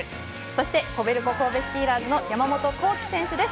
そしてコベルコ神戸スティーラーズの山本幸輝選手です。